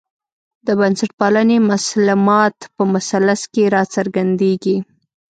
د بنسټپالنې مسلمات په مثلث کې راڅرګندېږي.